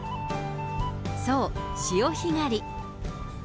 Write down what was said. そう、潮干狩り。